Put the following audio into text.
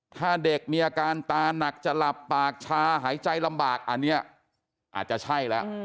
ถ้าเด็กมีอาการตาหนักจะหลับปากชาหายใจลำบากอันนี้อาจจะใช่แล้ว